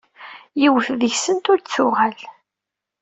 Yiwet deg-sent ur d-tuɣal.